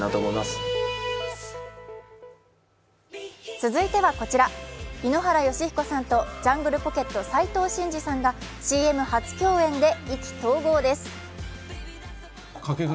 続いてはこちら井ノ原快彦さんとジャングルポケット斉藤慎二さんがＣＭ初共演で意気投合です。